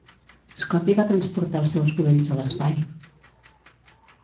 Scotty va transportar els seus budells a l'espai!